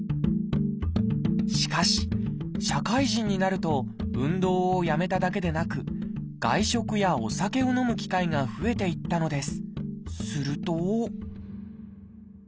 しかし社会人になると運動をやめただけでなく外食やお酒を飲む機会が増えていったのです。